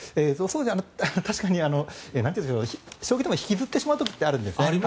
確かに将棋でも引きずってしまう時ってあるんですね。